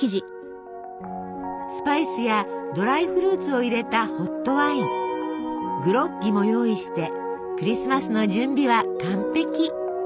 スパイスやドライフルーツを入れたホットワイングロッギも用意してクリスマスの準備は完璧！